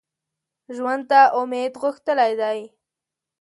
ژوند ته امید غښتلی کړي